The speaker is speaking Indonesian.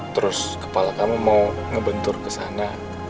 terus kepala kamu mau ngebentur ke sana